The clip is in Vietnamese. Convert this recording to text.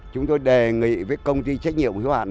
chúng tôi đề nghị với công ty trách nhiệm của các bạn